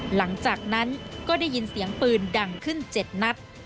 หลังจากนั้นก็ได้ยินเสียงปืนดังขึ้น๗นัด